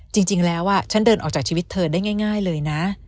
จริงแล้วฉันเดินออกจากชีวิตเธอได้ง่ายเลยนะ